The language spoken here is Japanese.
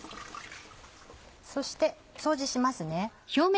そして掃除しますね。